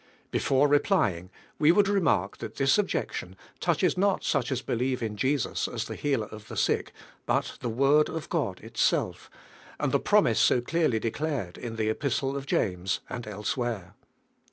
Before replying, we would remark that this objection touches not such as believe in Jesus as the Healer of the sick, but the Word of God itself, and the promise so clearly declared in the epistle of James and elsewhere.